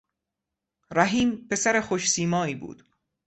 رحیم پسر خوشسیمایی بود.